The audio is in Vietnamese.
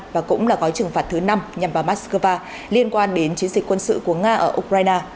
và cũng là gói trừng phạt thứ năm nhằm vào moscow liên quan đến chiến dịch quân sự của nga ở ukraine